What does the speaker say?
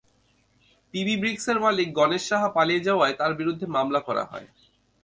PB ব্রিকসের মালিক গণেশ সাহা পালিয়ে যাওয়ায় তাঁর বিরুদ্ধে মামলা করা হয়।